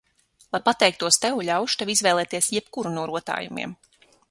Lai pateiktos tev, ļaušu tev izvēlēties jebkuru no rotājumiem.